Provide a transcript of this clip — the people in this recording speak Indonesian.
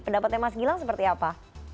pendapatnya mas gilang seperti apa